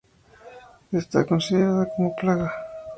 Está considerada como plaga.